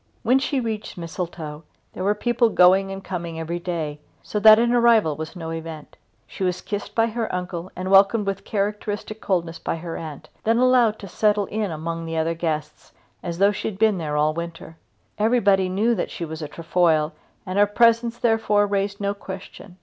When she reached Mistletoe there were people going and coming every day, so that an arrival was no event. She was kissed by her uncle and welcomed with characteristic coldness by her aunt, then allowed to settle in among the other guests as though she had been there all the winter. Everybody knew that she was a Trefoil and her presence therefore raised no question.